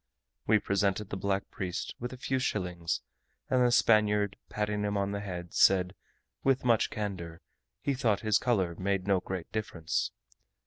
We presented the black priest with a few shillings, and the Spaniard, patting him on the head, said, with much candour, he thought his colour made no great difference.